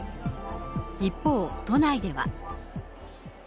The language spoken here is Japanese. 一方、都内では。